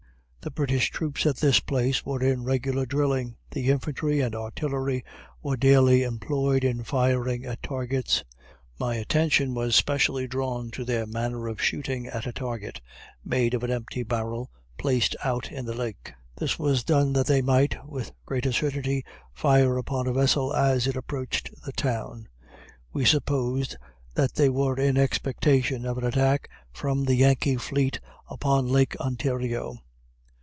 The British troops at this place were in regular drilling. The infantry and artillery were daily employed in firing at targets. My attention was specially drawn to their manner of shooting at a target, made of an empty barrel placed out in the lake. This was done that they might, with the greater certainty, fire upon a vessel as it approached the town. We supposed that they were in expectation of an attack from the Yankee fleet upon lake Ontario.